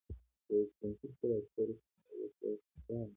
رئیس جمهور خپلو عسکرو ته امر وکړ؛ هوښیار!